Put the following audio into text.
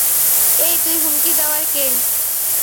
এই, তুই হুমকি দেওয়ার কে?